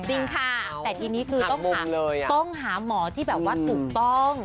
จริงค่ะแต่ทีนี้คือต้องหาหมอที่แบบว่าถูกต้อง